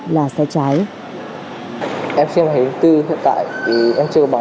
và cho các con